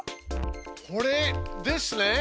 これですね？